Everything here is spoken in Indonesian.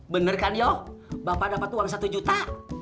bener kan yuk bapak dapat uang satu juta